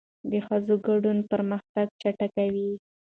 د ښځو ګډون پرمختګ چټکوي.